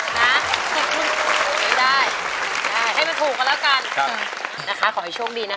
ตรงนี้ได้ให้มันถูกกันแล้วกันนะคะขอให้โชคดีนะคะ